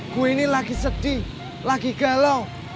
gue ini lagi sedih lagi galau